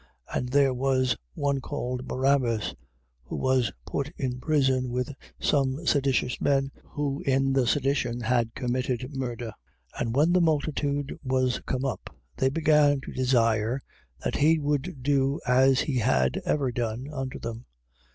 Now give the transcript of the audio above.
15:7. And there was one called Barabbas, who was put in prison with some seditious men, who in the sedition had committed murder. 15:8. And when the multitude was come up, they began to desire that he would do as he had ever done unto them.